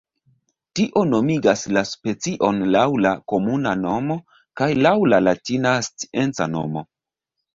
Tio nomigas la specion laŭ la komuna nomo kaj laŭ la latina scienca nomo.